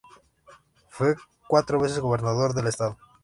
Fue cuatro veces gobernador del estado.